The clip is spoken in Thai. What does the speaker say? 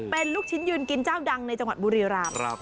เป็นลูกชิ้นยืนกินเจ้าดังในจังหวัดบุรีราม